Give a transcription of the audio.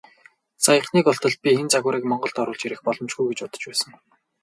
Саяхныг болтол би энэ загварыг Монголд оруулж ирэх боломжгүй гэж бодож байсан.